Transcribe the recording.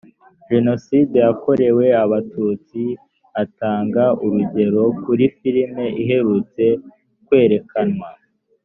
jenoside yakorewe abatutsi atanga urugero kuri filimi iherutse kwerekanwa